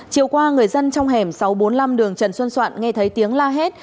chiều qua người dân trong hẻm sáu trăm bốn mươi năm đường trần xuân soạn nghe thấy tiếng la hét